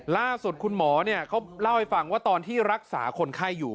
ล่าสุดคุณหมอเขาเล่าให้ฟังว่าตอนที่รักษาคนไข้อยู่